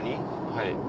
はい。